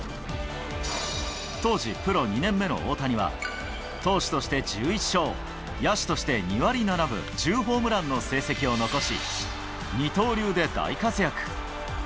当時、プロ２年目の大谷は、投手として１１勝、野手として２割７分１０ホームランの成績を残し、二刀流で大活躍。